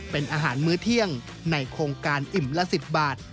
เป็นอาหารมื้อเที่ยงในโครงการอิ่มละ๑๐บาท